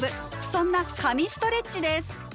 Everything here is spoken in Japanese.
そんな「神ストレッチ」です。